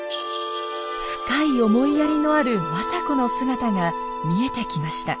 深い思いやりのある政子の姿が見えてきました。